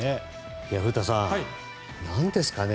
古田さん、何ですかね